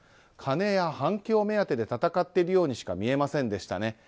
金や反響目当てで闘っているようにしか見えませんでしたね。